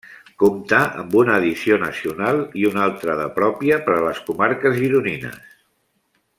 Compta amb una edició nacional i una altra de pròpia per a les comarques gironines.